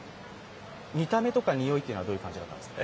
見た目とか、においとかは、どういう漢字だったんですか。